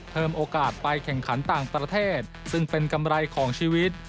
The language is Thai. โอกาสไปแข่งขันต่างประเทศซึ่งเป็นกำไรของชีวิต